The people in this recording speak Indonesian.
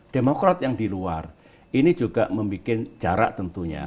demokrat yang di luar ini juga membuat jarak tentunya